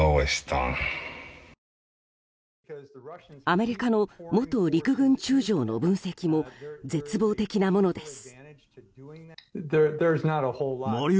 アメリカの元陸軍中将の分析も絶望的なものです。